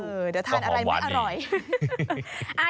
เดี๋ยวทานอะไรไม่อร่อยก็หอมหวานอีก